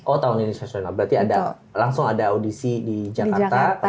oh tahun ini di nasional berarti ada audisi di jakarta